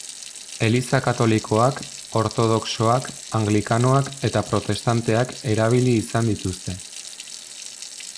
Eliza katolikoak, ortodoxoak, anglikanoak eta protestanteak erabili izan dituzte.